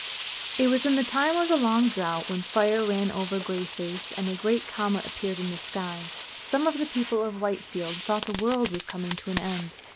It was in time of the long drought, when fire ran over Grayface, and a great comet appeared in the sky. Some of the people of Whitefield thought the world was coming to an end.